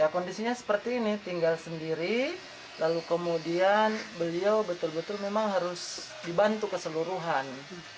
kondisinya seperti ini tinggal sendiri lalu kemudian beliau betul betul memang harus dibantu keseluruhan